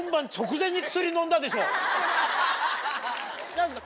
何ですか？